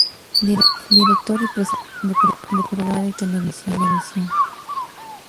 Director y presentador de programas de radio y televisión.